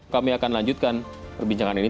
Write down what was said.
kami akan lanjutkan perbincangan ini